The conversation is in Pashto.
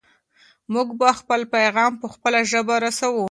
موږ به خپل پیغام په خپله ژبه رسوو.